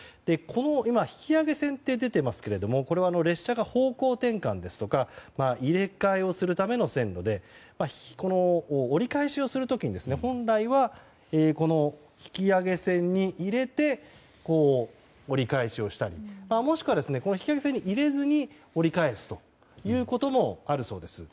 今、引き上げ線って出ていますがこれは列車が方向転換ですとか入れ替えをするための線路で折り返しをする時に本来は引き上げ線に入れてこのように折り返しをしたりもしくは引き上げ線に入れずに折り返すこともあるそうです。